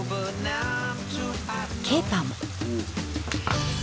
ケイパーも。